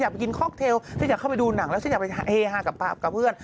อยากไปกินค็อกเทลอยากเข้าไปดูหนังอยากไปเห้ห้ากับเพื่อน